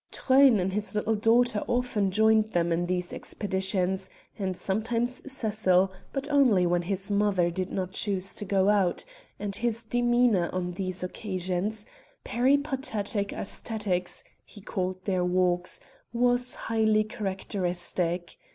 Truyn and his little daughter often joined them in these expeditions, and sometimes Cecil, but only when his mother did not choose to go out, and his demeanor on these occasions 'peripatetic æsthetics' he called their walks was highly characteristic.